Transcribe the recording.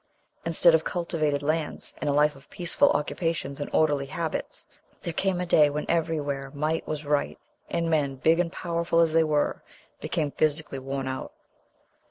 Instead of cultivated lands, and a life of peaceful occupations and orderly habits, there came a day when every where might was right, and men, big and powerful as they were, became physically worn out....